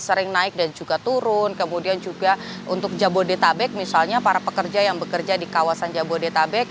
sering naik dan juga turun kemudian juga untuk jabodetabek misalnya para pekerja yang bekerja di kawasan jabodetabek